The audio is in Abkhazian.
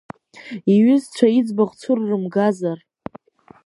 Иҩызцәа иӡбахә цәыррымгазар?